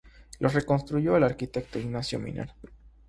Lo reconstruyó el arquitecto Ignacio Miner.